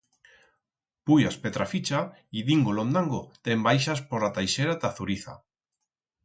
Puyas Petraficha y dingo-londango, te'n baixas por a Taixera ta Zuriza.